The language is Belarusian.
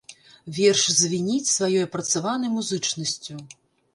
Верш звініць сваёй апрацаванай музычнасцю.